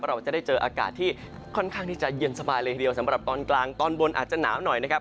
เราจะได้เจออากาศที่ค่อนข้างที่จะเย็นสบายเลยทีเดียวสำหรับตอนกลางตอนบนอาจจะหนาวหน่อยนะครับ